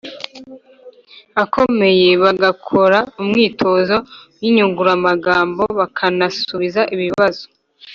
akomeye, bagakora umwitozo w’inyunguramagambo bakanasubiza ibibazo